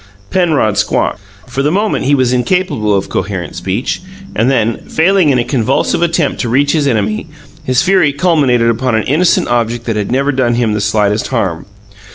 Penrod squawked. For the moment he was incapable of coherent speech, and then, failing in a convulsive attempt to reach his enemy, his fury culminated upon an innocent object that had never done him the slightest harm.